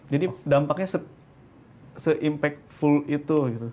jadi dampaknya se impactful itu